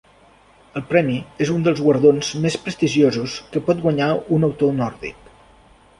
El premi és un dels guardons més prestigiosos que pot guanyar un autor nòrdic.